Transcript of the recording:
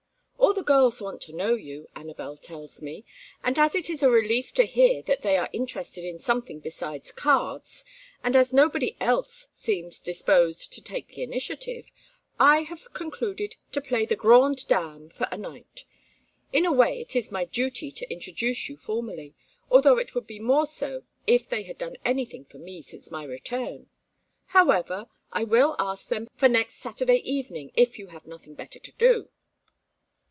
"All the girls want to know you, Anabel tells me, and as it is a relief to hear that they are interested in something besides cards, and as nobody else seems disposed to take the initiative, I have concluded to play the grande dame for a night. In a way it is my duty to introduce you formally, although it would be more so if they had done anything for me since my return. However I will ask them for next Saturday evening if you have nothing better to do."